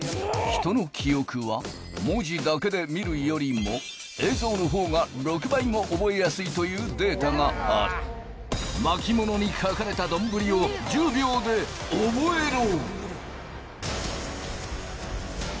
人の記憶は文字だけで見るよりも映像のほうが６倍も覚えやすいというデータがある巻物に書かれた丼を１０秒でオボエロ！